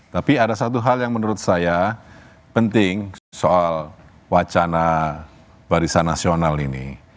tapi ada satu hal yang menurut saya penting soal wacana barisan nasional ini